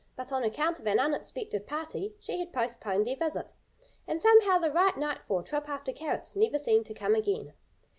But on account of an unexpected party she had postponed their visit. And somehow the right night for a trip after carrots never seemed to come again.